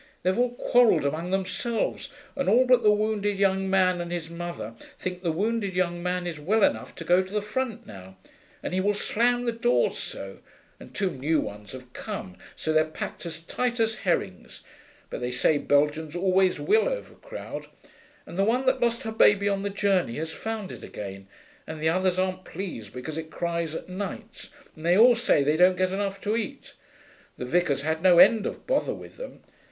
They've all quarrelled among themselves, and all but the wounded young man and his mother think the wounded young man is well enough to go to the front now, and he will slam the doors so, and two new ones have come, so they're packed as tight as herrings (but they say Belgians always will overcrowd), and the one that lost her baby on the journey has found it again, and the others aren't pleased because it cries at nights, and they all say they don't get enough to eat. The vicar's had no end of bother with them.